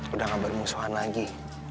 udah gak bermusuhan lagi